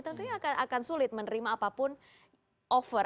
tentunya akan sulit menerima apapun over